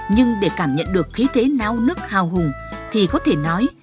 nhưng để cảm nhận được khí thế nao nước hào hùng thì có thể nói